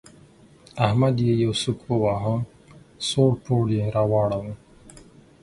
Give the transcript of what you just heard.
احمد يې يو سوک وواهه؛ سوړ پوړ يې راواړاوو.